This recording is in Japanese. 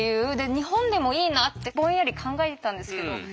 日本でもいいなってぼんやり考えてたんですけど。